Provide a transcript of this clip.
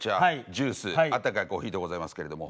ジュースあったかいコーヒーとございますけれども。